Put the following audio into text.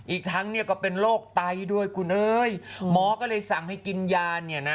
อีกทั้งเนี่ยก็เป็นโรคไตด้วยคุณเอ้ยหมอก็เลยสั่งให้กินยาเนี่ยนะ